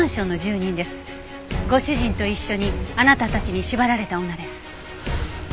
ご主人と一緒にあなたたちに縛られた女です。